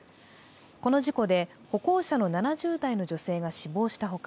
この事故で歩行者の７０代の女性が死亡したほか